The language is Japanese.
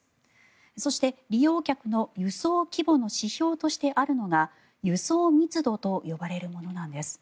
そして利用客の輸送規模の指標としてあるのが輸送密度と呼ばれるものなんです。